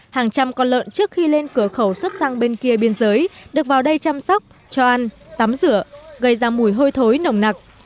hàng trăm con lợn trước khi lên cửa khẩu xuất sang bên kia biên giới được vào đây chăm sóc cho ăn tắm rửa gây ra mùi hôi thối nồng nặc